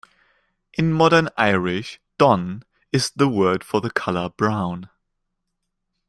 In modern Irish, "donn" is the word for the colour brown.